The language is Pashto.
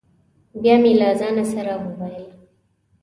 بیا مې له ځانه سره وویل: